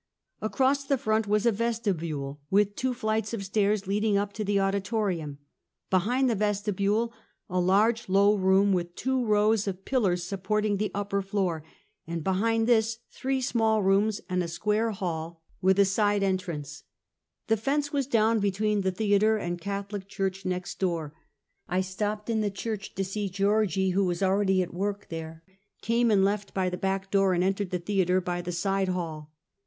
Across the front was a vesti bule, with two flights of stairs leading up to the audi torium ; behind the vestibule a large, low room, with two rows of pillars supporting the upper floor; and behind this three small rooms, and a square hall with The Old Theater. 307 a side entrance. The fence was down between the the ater and Catholic church, next door. I stopped in the church to see Georgie, who was already at work there, came and left by the back door, and entered the thea ter by the side hall.